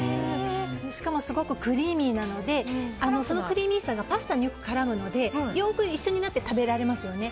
しかもすごくクリーミーなのでそのクリーミーさがパスタによく絡むのでよく一緒になって食べられますよね。